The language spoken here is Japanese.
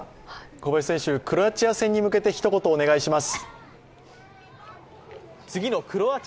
小林選手、クロアチア戦に向けてひと言、お願いします。